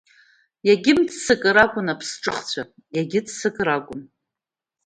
Иагьымццакыр акәын аԥсҿыхцәа, иагьыццакыр акәын.